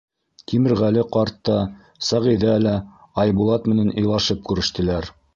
Тимерғәле ҡарт та, Сәғиҙә лә Айбулат менән илашып күрештеләр.